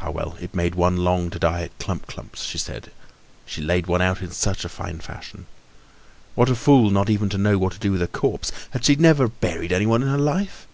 Ah, well! It made one long to die at Clump clump's, she laid one out in such a fine fashion! What a fool, not even to know what to do with a corpse! Had she then never buried anyone in her life?